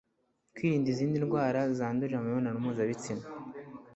kwirinda izindi ndwara zandurira mu mibonano mpuzabitsina